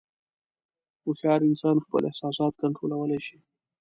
هوښیار انسان خپل احساسات کنټرولولی شي.